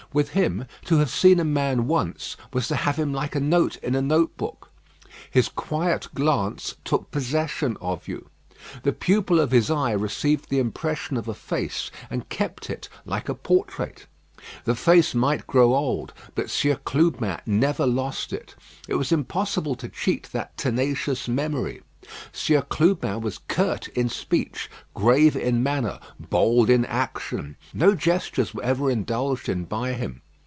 With him, to have seen a man once, was to have him like a note in a note book. His quiet glance took possession of you. The pupil of his eye received the impression of a face, and kept it like a portrait. The face might grow old, but Sieur Clubin never lost it; it was impossible to cheat that tenacious memory. Sieur Clubin was curt in speech, grave in manner, bold in action. No gestures were ever indulged in by him.